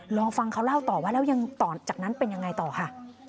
ลองฟังเขาเล่าต่อว่าแล้วยังต่อจากนั้นเป็นยังไงต่อค่ะ